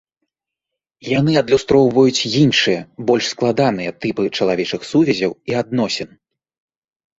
Яны адлюстроўваюць іншыя, больш складаныя тыпы чалавечых сувязяў і адносін.